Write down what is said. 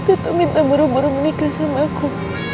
itu minta buru buru menikah sama aku